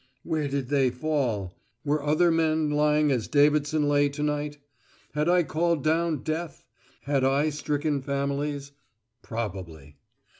Where did they fall? Were other men lying as Davidson lay to night? Had I called down death? Had I stricken families? Probably.